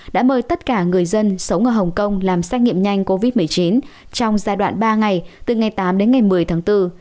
đã mời tất cả người dân sống ở hồng kông làm xét nghiệm nhanh covid một mươi chín trong giai đoạn ba ngày từ ngày tám đến ngày một mươi tháng bốn